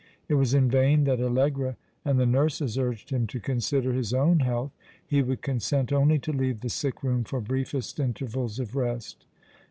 It was in vain that Allegra and the nurses urged him to consider his own health. He would consent only to leave the sick room for briefest intervals of rest.